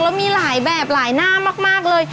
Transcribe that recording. แล้วมีหลายแบบหลายหน้ามากเลย